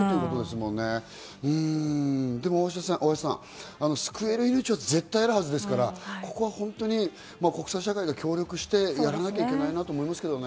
でも救える命は絶対にあるはずですから、ここは本当に国際社会が協力してやらなきゃいけないと思いますけどね。